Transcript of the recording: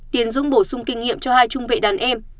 tiến dũng bổ sung kinh nghiệm cho hai trung vệ đàn em